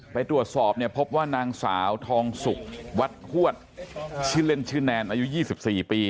ไปตรวจสอบเนี่ยพบว่านางสาวทองสุกวัดฮวดชื่อเล่นชื่อแนนอายุ๒๔ปี